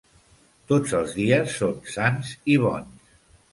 Tots els dies són sants i bons.